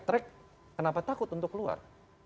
track kenapa takut untuk keluar